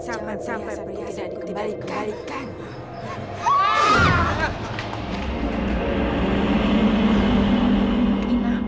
jangan sampai perhiasanku dikembali kelarikannya